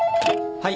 はい。